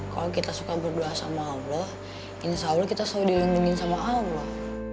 kalau kita suka berdoa sama allah insya allah kita selalu dilindungi sama allah